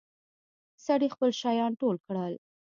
سړي خپل شيان ټول کړل.